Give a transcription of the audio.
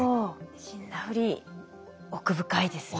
死んだふり奥深いですね。